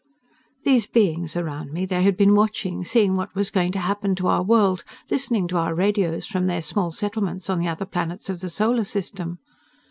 These beings around me, they had been watching, seeing what was going to happen to our world, listening to our radios from their small settlements on the other planets of the Solar System.